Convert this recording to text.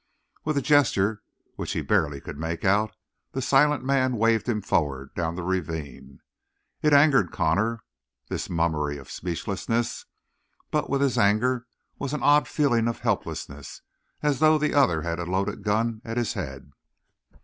With a gesture which he barely could make out, the silent man waved him forward down the ravine. It angered Connor, this mummery of speechlessness, but with his anger was an odd feeling of helplessness as though the other had a loaded gun at his head.